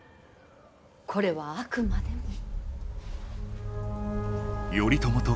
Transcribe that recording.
これはあくまでも。